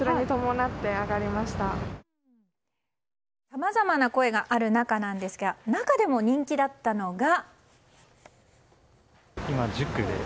さまざまな声がある中なんですが中でも人気だったのが。